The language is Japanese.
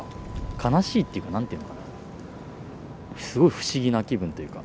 悲しいっていうか何ていうのかなすごい不思議な気分というか。